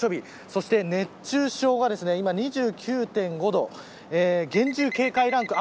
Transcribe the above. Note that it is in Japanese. そして熱中症が今２９．５度厳重警戒ランク。